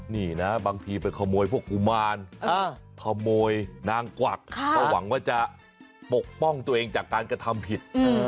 นี่นะบางทีไปขโมยพวกกุมารขโมยนางกวักเพราะหวังว่าจะปกป้องตัวเองจากการกระทำผิด